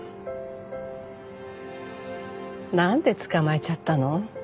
なんで捕まえちゃったの？